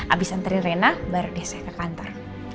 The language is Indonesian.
abis nganterin rina baru disekat kantor